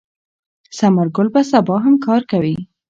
ثمر ګل به سبا هم کار کوي.